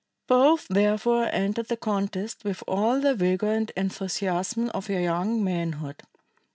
Both therefore entered the contest with all the vigor and enthusiasm of their young manhood.